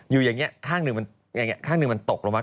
อยู่อย่างนี้ข้างนึงมันตกลงมา